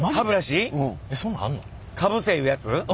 かぶせいうやつ？